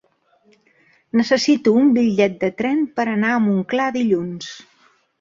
Necessito un bitllet de tren per anar a Montclar dilluns.